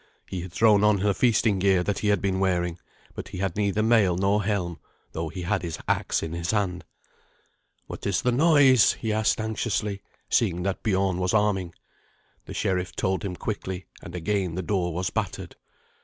He had thrown on the feasting gear that he had been wearing; but he had neither mail nor helm, though he had his axe in his hand. "What is the noise?" he said anxiously, seeing that Biorn was arming. The sheriff told him quickly, and again the door was battered.